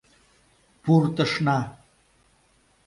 Пуртышна.